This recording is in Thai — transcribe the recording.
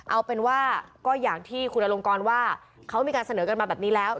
เอาเป็นว่าก็อย่างที่คุณอลงกรว่าเขามีการเสนอกันมาแบบนี้แล้ว